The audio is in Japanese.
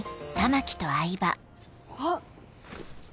あっ！